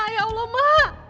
ya allah ma